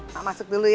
mak masuk dulu ya